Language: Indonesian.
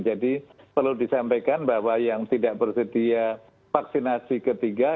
jadi perlu disampaikan bahwa yang tidak bersedia vaksinasi ketiga